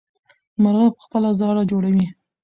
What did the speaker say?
مرغه خپله ځاله جوړوي.